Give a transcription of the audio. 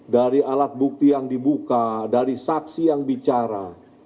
dari alat bukti yang dibuka dari saksi yang bicara